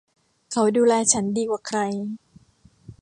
เขาดูแลฉันดีกว่าใคร